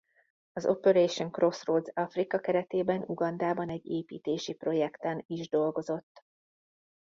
Az Operation Crossroads Africa keretében Ugandában egy építési projekten is dolgozott.